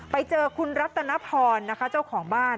ไปเจอคุณรัตนพรนะคะเจ้าของบ้าน